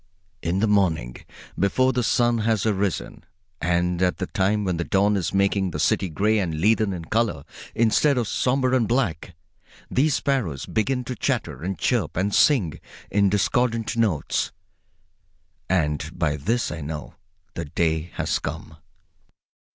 In the morning, before the sun has arisen, and at the time when the dawn is making the city gray and leaden in color instead of somber and black, these sparrows begin to chatter and chirp and sing in discordant notes, and by this I know the day has come.